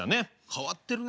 変わってるね。